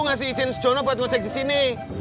ngasih izin si jono buat ngajak disini